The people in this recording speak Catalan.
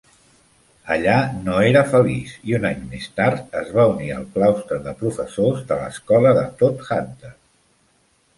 Allà no era feliç, i un any més tard es va unir al claustre de professors de l'escola de Todhunter.